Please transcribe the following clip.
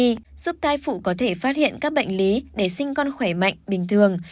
nhi giúp thai phụ có thể phát hiện các bệnh lý để sinh con khỏe mạnh bình thường